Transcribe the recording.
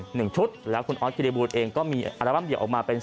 หนึ่งชุดแล้วคุณออสกิริบูลเองก็มีอัลบั้มเดี่ยวออกมาเป็น